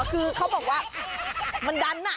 คือเขาบอกว่ามันดัน